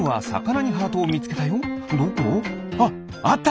あっあった！